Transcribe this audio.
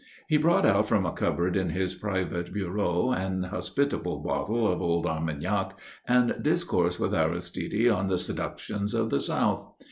He brought out from a cupboard in his private bureau an hospitable bottle of old Armagnac, and discoursed with Aristide on the seductions of the South.